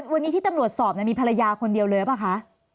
วันนี้ที่ตำรวจสอบมีภรรยาคนเดียวเลยหรือเปล่าคะ